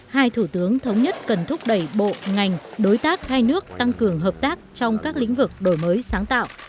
hai thủ tướng thống nhất cần thúc đẩy bộ ngành đối tác hai nước tăng cường hợp tác trong các lĩnh vực đổi mới sáng tạo